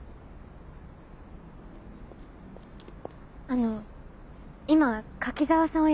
あの今柿沢さん